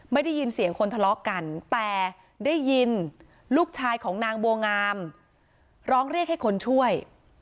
ได้ยินเสียงคนทะเลาะกันแต่ได้ยินลูกชายของนางบัวงามร้องเรียกให้คนช่วย